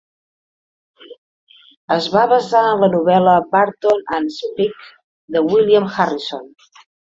Es va basar en la novel·la "Burton and Speke" de William Harrison.